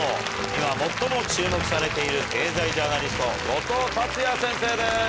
今最も注目されている経済ジャーナリスト後藤達也先生です。